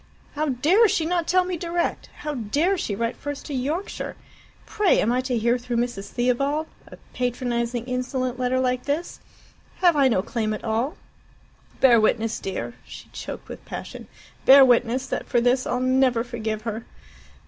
"How dare she not tell me direct! How dare she write first to Yorkshire! Pray, am I to hear through Mrs. Theobald a patronizing, insolent letter like this? Have I no claim at all? Bear witness, dear" she choked with passion "bear witness that for this I'll never forgive her!"